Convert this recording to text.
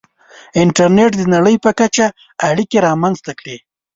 • انټرنېټ د نړۍ په کچه اړیکې رامنځته کړې.